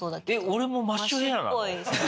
俺もマッシュヘアなの？